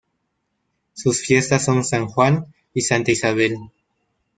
Sus fiestas son San Juan y Santa Isabel.